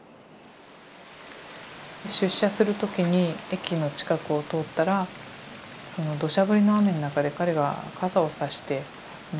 出社する時に駅の近くを通ったらその土砂降りの雨の中で彼が傘をさして待っていて。